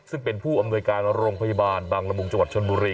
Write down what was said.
ซึ่งเป็นผู้อำนวยการโรงพยาบาลบางละมุงจังหวัดชนบุรี